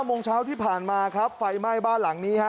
โมงเช้าที่ผ่านมาครับไฟไหม้บ้านหลังนี้ฮะ